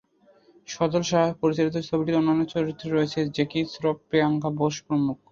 সজল শাহ পরিচালিত ছবিটির অন্যান্য চরিত্রে রয়েছেন জ্যাকি শ্রফ, প্রিয়াঙ্কা বোস প্রমুখ।